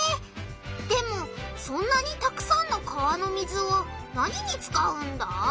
でもそんなにたくさんの川の水を何に使うんだ？